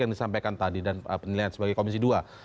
yang disampaikan tadi dan penilaian sebagai komisi dua